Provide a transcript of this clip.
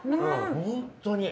本当に。